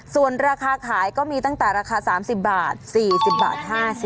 ส่วนราคาขายก็มีตั้งแต่ราคา๓๐บาท๔๐บาท๕๐บาท